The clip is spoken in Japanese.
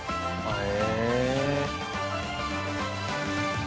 へえ。